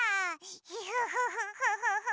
フフフフ。